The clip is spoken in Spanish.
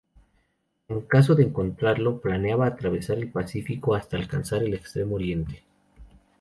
En caso de encontrarlo, planeaba atravesar el Pacífico hasta alcanzar el Extremo Oriente.